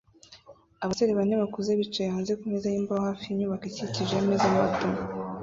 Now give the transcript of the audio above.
Abasore bane bakuze bicaye hanze kumeza yimbaho hafi yinyubako ikikije ameza mato